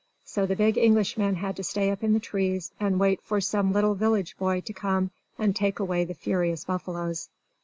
So the big Englishmen had to stay up in the trees, and wait for some little village boy to come and take away the furious buffaloes.